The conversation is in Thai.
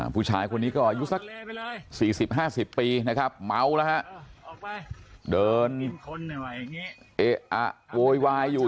ผู้ชายคนนี้ก็อายุสัก๔๐๕๐ปีนะครับเมาแล้วฮะเดินเอะอะโวยวายอยู่